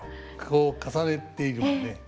こう重ねているもんね。